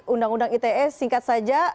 undang undang ite singkat saja